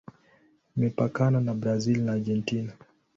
Imepakana na Brazil na Argentina.